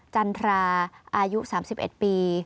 จันทราอายุ๓๑ปี